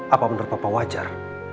apa menurut papa wajar